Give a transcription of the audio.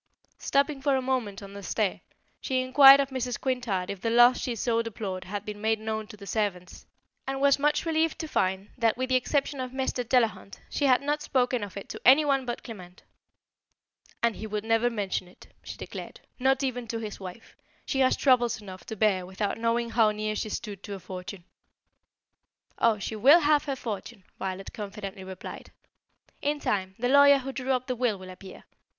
Stopping for a moment on the stair, she inquired of Mrs. Quintard if the loss she so deplored had been made known to the servants, and was much relieved to find that, with the exception of Mr. Delahunt, she had not spoken of it to any one but Clement. "And he will never mention it," she declared, "not even to his wife. She has troubles enough to bear without knowing how near she stood to a fortune." "Oh, she will have her fortune!" Violet confidently replied. "In time, the lawyer who drew up the will will appear.